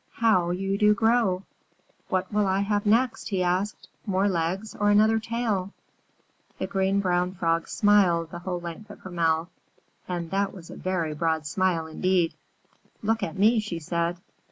"How you do grow!" "What will I have next?" he asked, "more legs or another tail?" The Green Brown Frog smiled the whole length of her mouth, and that was a very broad smile indeed. "Look at me," she said.